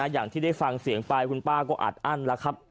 อย่างที่ได้ฟังเสียงไปคุณป้าก็อัดอั้นแล้วครับ